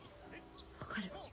分かる。